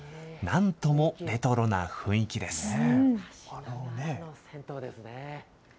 なんともレトロな雰囲気です。